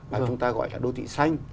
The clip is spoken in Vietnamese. và chúng ta gọi là đô thị xanh